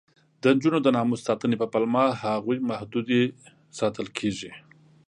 د نجونو د ناموس ساتنې په پلمه هغوی محدودې ساتل کېږي.